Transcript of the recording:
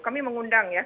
kami mengundang ya